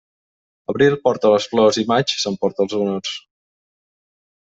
Abril porta les flors i maig s'emporta els honors.